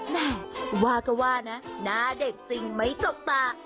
แม่ว่าก็ว่านะหน้าเด็กจริงไม่จกตา